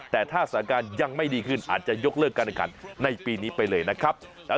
แต่ถ้าสถานการณ์ยังไม่ดีขึ้นอาจจะยกเลิกการแข่งขันในปีนี้ไปเลยนะครับ